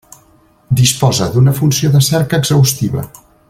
Disposa d'una funció de cerca exhaustiva.